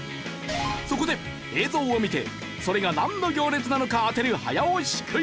そこで映像を見てそれがなんの行列なのか当てる早押しクイズ。